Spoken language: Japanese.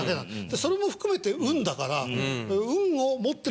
それも含めて運だから。